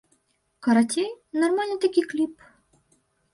Карацей, нармальны такі кліп.